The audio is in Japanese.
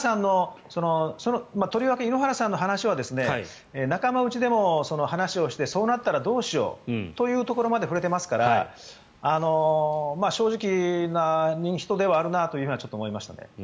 とりわけ井ノ原さんの話は仲間内でも話をしてそうなったらどうしようというところまで触れていますから正直な人ではあるなとは思いました。